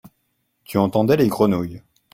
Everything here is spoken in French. Tu entendais les grenouilles.